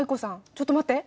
ちょっと待って！